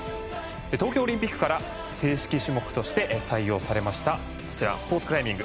東京オリンピックから正式種目として採用されましたスポーツクライミング。